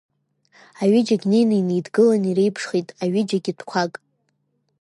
Аҩыџьагь неины инеидгылан иреиԥшхеит аҩыџьагьы тәқәак.